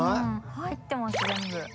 入ってます全部。